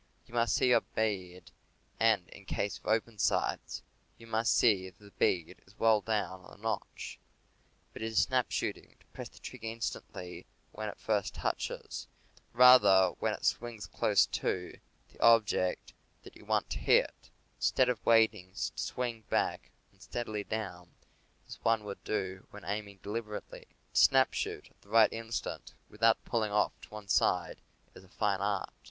You must see your bead, and, in case of open sights, you must see that the bead is well down in the notch; but it is snap shooting to press the trigger instantly when it first touches, or rather when it swings close to, the object that you want to hit, instead of waiting to swing back and steady down, as one would do when aiming deliberately. To snap shoot at the right instant, without pulling off to one side, is a fine art.